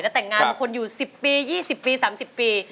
แต่แต่งงานคนอยู่๑๐ปี๒๐ปี๓๐ปี